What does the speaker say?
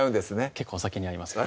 結構お酒に合います